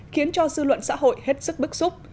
khiến cho dư luận xã hội hết sức bức xúc